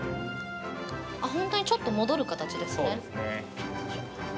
本当にちょっと戻る形ですね。